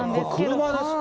車ですか？